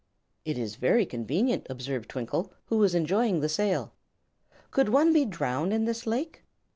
"It is very convenient," observed Twinkle, who was enjoying the sail. "Could one be drowned in this lake?"